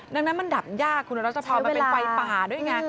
ดังนั้นมันดับยากคุณรัชพรมันเป็นไฟป่าด้วยไง